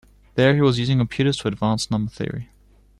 There he was using computers to advance number theory.